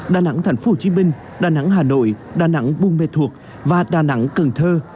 đà nẵng thành phố hồ chí minh đà nẵng hà nội đà nẵng buôn mê thuộc và đà nẵng cần thơ